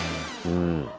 うん。